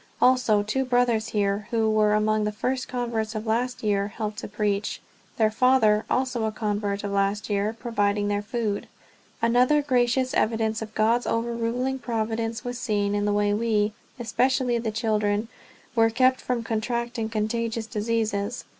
Also two brothers here, who were among the first converts last year, help to preach, their father also a convert of last year providing their food." Another gracious evidence of God's over ruling providence was seen in the way we, especially the children, were kept from contracting contagious diseases.